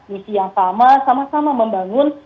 misi yang sama sama membangun